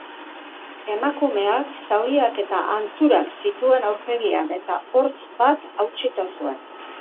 Emakumeak zauriak eta hanturak zituen aurpegian eta hortz bat hautsita zuen.